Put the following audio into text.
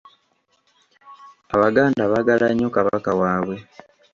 Abaganda baagala nnyo Kabaka waabwe.